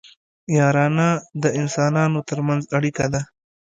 یارانه د انسانانو ترمنځ اړیکه ده